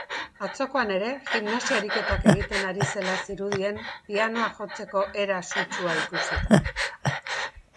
Atzokoan ere gimnasia ariketak egiten ari zela zirudien pianoa jotzeko era sutsua ikusita.